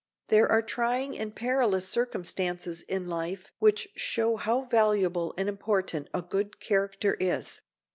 There are trying and perilous circumstances in life which show how valuable and important a good character is.